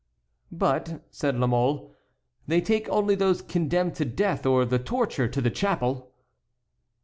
"But," said La Mole, "they take only those condemned to death or the torture to the chapel."